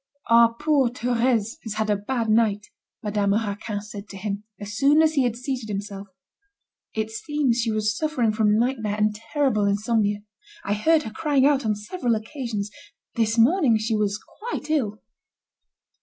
"Our poor Thérèse has had a bad night," Madame Raquin said to him, as soon as he had seated himself. "It seems she was suffering from nightmare, and terrible insomnia. I heard her crying out on several occasions. This morning she was quite ill."